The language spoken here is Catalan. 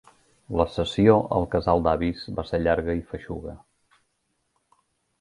La sessió al casal d'avis va ser llarga i feixuga.